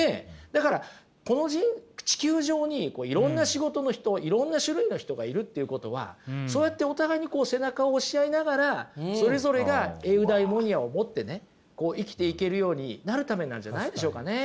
だからこの地球上にいろんな仕事の人いろんな種類の人がいるっていうことはそうやってお互いにこう背中を押し合いながらそれぞれがエウダイモニアを持ってねこう生きていけるようになるためなんじゃないでしょうかね。